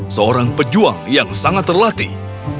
seorang pejuang yang sangat terlatih